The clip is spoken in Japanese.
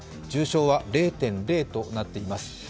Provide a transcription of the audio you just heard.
重症は０．０となっています。